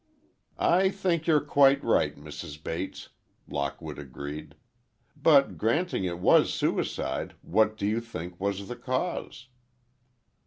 "I think you're quite right, Mrs. Bates," Lockwood agreed; "but granting it was suicide, what do you think was the cause?"